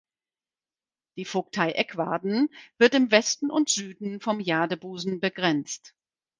Die Vogtei Eckwarden wird im Westen und Süden vom Jadebusen begrenzt.